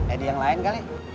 edi yang lain kali